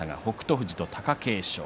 富士と貴景勝。